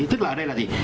tức là ở đây là gì